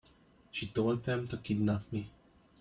She told them to kidnap me.